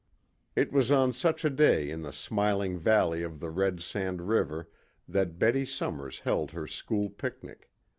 It was on such a day in the smiling valley of the Red Sand River that Betty Somers held her school picnic.